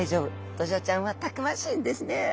ドジョウちゃんはたくましいんですね。